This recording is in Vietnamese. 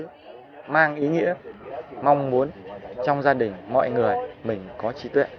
chúng ta xin chữ mong muốn trong gia đình mọi người mình có trí tuệ